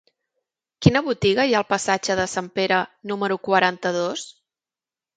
Quina botiga hi ha al passatge de Sant Pere número quaranta-dos?